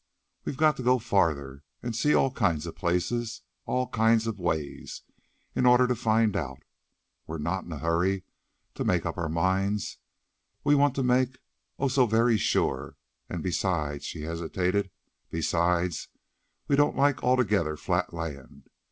We've got to go farther, and see all kinds of places and all kinds of ways, in order to find out. We're not in a hurry to make up our minds. We want to make, oh, so very sure! And besides...." She hesitated. "Besides, we don't like altogether flat land.